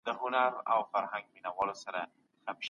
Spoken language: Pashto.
خوشحال خان هر څه ليکلي.